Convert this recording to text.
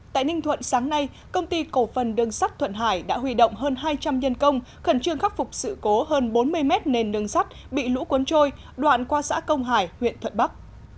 tại ninh thuận sáng nay công ty cổ phần đường sắt thuận hải đã huy động hơn hai trăm linh nhân công khẩn trương khắc phục sự cố hơn bốn mươi mét nền đường sắt bị lũ cuốn trôi đoạn qua xã công hải huyện thuận bắc